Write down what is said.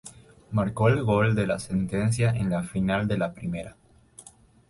Marcó el gol de la sentencia en la final de la primera.